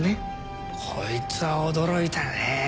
こいつは驚いたね。